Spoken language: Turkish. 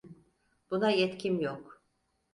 Buna yetkim yok.